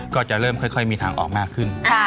ก็จะเริ่มค่อยมีทางออกมากขึ้น